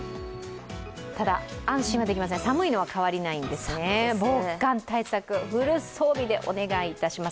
ただ、安心はできません、寒いのにかわりはないんですね、防寒対策、フル装備でお願いします